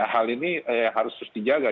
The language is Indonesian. hal ini harus terus dijaga